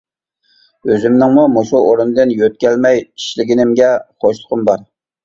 ئۆزۈمنىڭمۇ مۇشۇ ئورۇندىن يۆتكەلمەي ئىشلىگىنىمگە خۇشلۇقۇم بار.